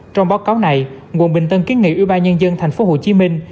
trong báo cáo này ủy ban nhân dân quận bình tân kế nghị ủy ban nhân dân thành phố hồ chí minh